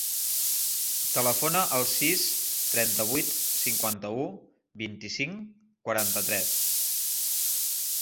Telefona al sis, trenta-vuit, cinquanta-u, vint-i-cinc, quaranta-tres.